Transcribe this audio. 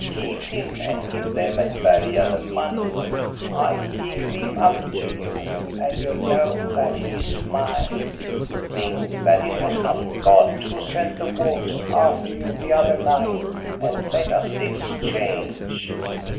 Keep him, and give them at Berga the money. I yield him up to you, and you know that he is mine. Think that it was not God who sent the wolves after you the other night, and let us exchange!"